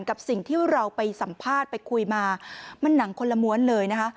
กับสิ่งที่เราไปสัมภาษณ์ไปคุยมามันหนังคนละม้วนเลยนะคะ